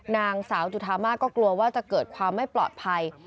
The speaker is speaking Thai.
นางสาวจุธามาสก็กลัวว่าจะเกิดความไม่ปลอดภัย